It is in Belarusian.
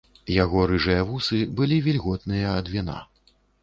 Яго рыжыя вусы былі вільготныя ад віна.